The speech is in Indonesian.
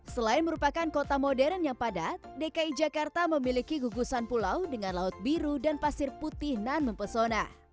selain merupakan kota modern yang padat dki jakarta memiliki gugusan pulau dengan laut biru dan pasir putih nan mempesona